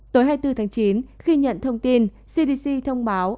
tối hai mươi bốn tháng chín khi nhận thông tin cdc thông báo